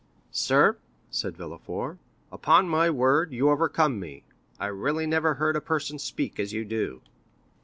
"Sir," said Villefort, "upon my word, you overcome me. I really never heard a person speak as you do."